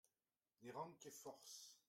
Ne ran ket forzh.